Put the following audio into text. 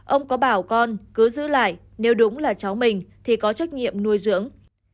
ông có bảo con cứ giữ lại nếu đúng là cháu mình thì có trách nhiệm nuôi dưỡng